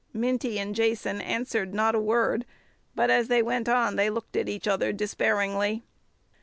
Minty and Jason answered not a word, but as they went on they looked at each other despairingly.